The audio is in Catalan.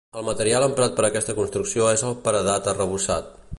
El material emprat per aquesta construcció és el paredat arrebossat.